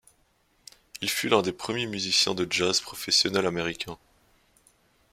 Il fut l'un des premiers musiciens de jazz professionnels américains.